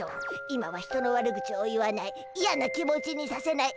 今は人の悪口を言わないいやな気持ちにさせない。